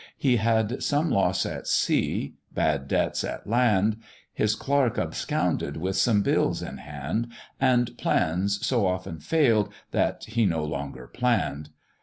He had some loss at sea, bad debts at land, His clerk absconded with some bills in hand, And plans so often fail'd, that he no longer plann'd.